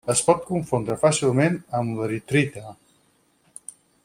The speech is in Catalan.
Es pot confondre fàcilment amb l'eritrita.